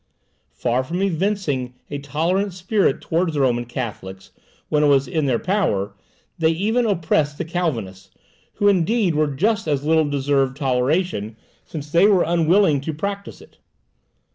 Far from evincing a tolerant spirit towards the Roman Catholics, when it was in their power, they even oppressed the Calvinists; who indeed just as little deserved toleration, since they were unwilling to practise it.